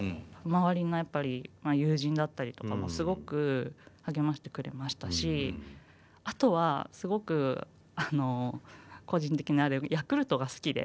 周りのやっぱり友人だったりとかもすごく励ましてくれましたしあとはすごくあの個人的なあれでヤクルトが好きで。